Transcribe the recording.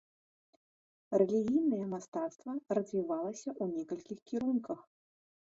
Рэлігійнае мастацтва развівалася ў некалькіх кірунках.